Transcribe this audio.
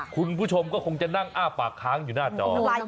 คุณผู้ชมก็คงจะนั่งอ้าปากค้างอยู่หน้าจอ